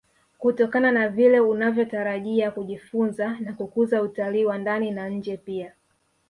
kutokana na vile unavyotarajia kujifunza na kukuza utalii wa ndani na nje pia